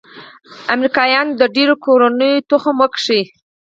امریکايانو د ډېرو کورنيو تخم وکيښ.